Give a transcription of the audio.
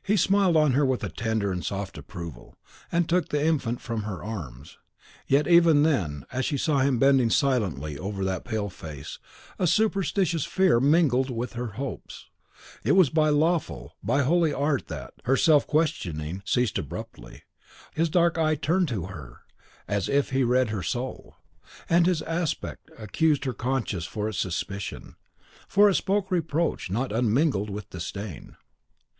He smiled on her with a tender and soft approval, and took the infant from her arms. Yet even then, as she saw him bending silently over that pale face, a superstitious fear mingled with her hopes. "Was it by lawful by holy art that " her self questioning ceased abruptly; for his dark eye turned to her as if he read her soul, and his aspect accused her conscience for its suspicion, for it spoke reproach not unmingled with disdain.